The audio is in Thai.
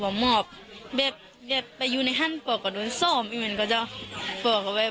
เหมือนตายข้างเป็นว่างี้ก็ชิสีเป็น